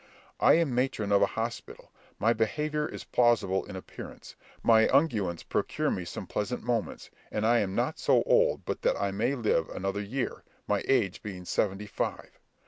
I am matron of a hospital; my behaviour is plausible in appearance; my unguents procure me some pleasant moments, and I am not so old but that I may live another year, my age being seventy five.